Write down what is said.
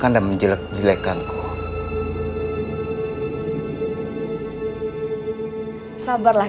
tantang menggunakan elemen yang ingin dilanjutkan